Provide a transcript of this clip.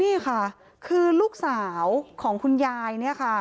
นี่ค่ะคือลูกสาวของคุณยายเนี่ยค่ะ